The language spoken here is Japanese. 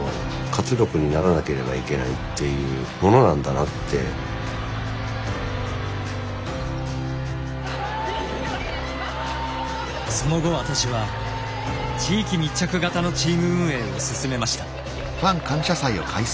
やっぱり僕らもその後私は地域密着型のチーム運営を進めました。